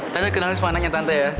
tante kenalin sama anaknya tante ya